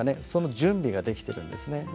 その準備ができてるんですね。